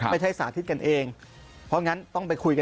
สาธิตกันเองเพราะงั้นต้องไปคุยกัน